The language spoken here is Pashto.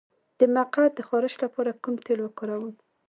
د مقعد د خارش لپاره کوم تېل وکاروم؟